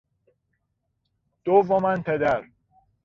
دوما پدر